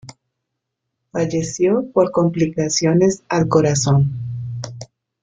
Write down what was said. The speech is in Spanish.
Falleció por complicaciones al corazón.